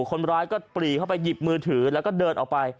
คนร้ายก็ปรีเข้าไปหยิบมือถือแล้วก็เดินออกไป